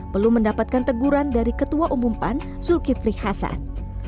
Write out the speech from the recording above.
belum mendapatkan teguran dari ketua umum pan zulkifli hasan